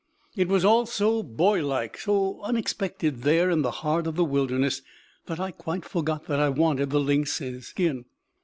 It was all so boylike, so unexpected there in the heart of the wilderness, that I quite forgot that I wanted the lynx's skin.